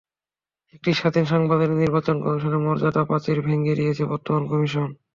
একটি স্বাধীন সাংবিধানিক নির্বাচন কমিশনের মর্যাদার প্রাচীর ভেঙে দিয়েছে বর্তমান কমিশন।